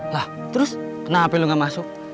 lha terus kenapa lo gak masuk